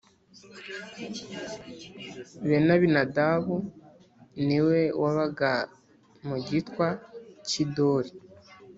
Benabinadabu ni we wabaga mu gitwa cy’i Dori